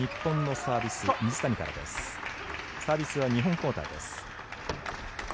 サービスは２本交代です。